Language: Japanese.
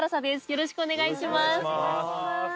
よろしくお願いします。